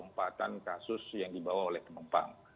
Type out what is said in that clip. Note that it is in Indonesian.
lompatan kasus yang dibawa oleh penumpang